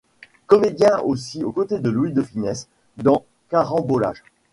Comédien aussi aux côtés de Louis de Funés dans Carambolages.